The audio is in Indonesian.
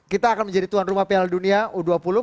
kita akan menjadi tuan rumah piala dunia u dua puluh